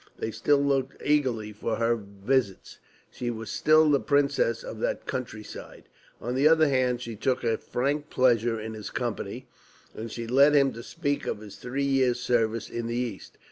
They still looked eagerly for her visits; she was still the princess of that country side. On the other hand, she took a frank pleasure in his company, and she led him to speak of his three years' service in the East.